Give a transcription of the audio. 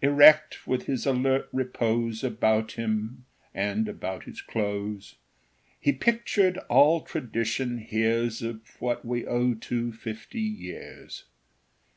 Erect, with his alert repose About him, and about his clothes, He pictured all tradition hears Of what we owe to fifty years.